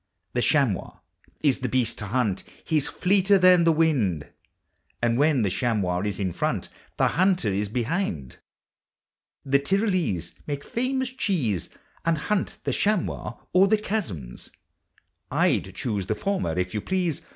The chamois is the beast to hunt; He 's fleeter than the wind, VMi POKMS OF IIOMIJ. And when (ho chamois is in front, The hunter is behind. The Tvrolese make famous cheese And hunt (he chamois o'er the chaz zums; J \1 choose the former if yon please.